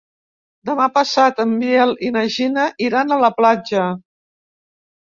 Demà passat en Biel i na Gina iran a la platja.